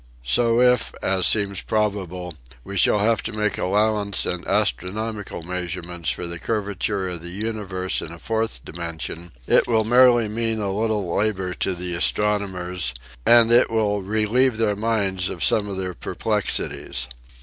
So if, as seems probable, we shall have to make allowance in astronomical measurements for the curvature of the universe in a fourth dimension it will merely mean a little labor to the astronomers and INTRODUCING THE FOURTH DIMENSION 27 it will relieve their minds of some of their perplexities.